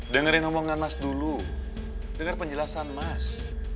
dengerin omongan mas dulu dengar penjelasan mas